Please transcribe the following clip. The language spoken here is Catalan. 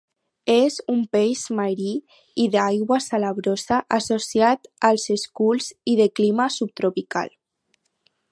És un peix marí i d'aigua salabrosa, associat als esculls i de clima subtropical.